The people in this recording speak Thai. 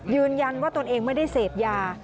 ยืนยันว่าตนเองไม่ได้เสพยา